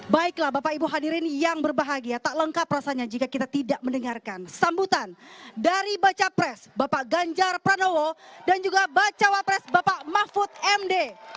baiklah bapak ibu hadirin yang berbahagia tak lengkap rasanya jika kita tidak mendengarkan sambutan dari baca pres bapak ganjar pranowo dan juga bacawa pres bapak mahfud md